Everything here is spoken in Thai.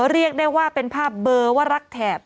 เรียกได้ว่าเป็นภาพเบอร์ว่ารักแถบ